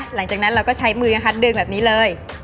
หลังจากนั้นเราก็ใช้มือนะคะเดินแบบนี้เลย